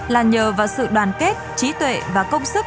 là nhờ vào sự đoàn kết trí tuệ và công sức